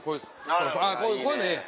こういうのええ